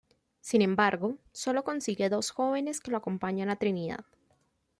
Sin embargo, sólo consigue dos jóvenes que lo acompañan a Trinidad.